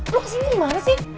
lo kesini dimana sih